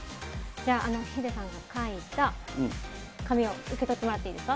じゃあ、ヒデさんが書いた紙を受け取ってもらっていいですか。